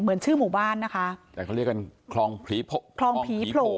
เหมือนชื่อหมู่บ้านนะคะแต่เขาเรียกกันคลองผีคลองผีโผล่